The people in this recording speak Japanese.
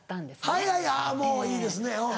はいはいあもういいですね。